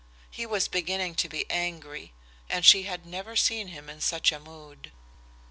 He was beginning to be angry, and she had never seen him in such a mood.